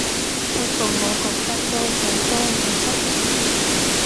不過我覺得都好多有心人